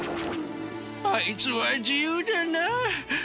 あいつは自由だなあ。